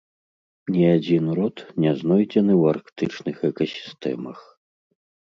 Ні адзін род не знойдзены ў арктычных экасістэмах.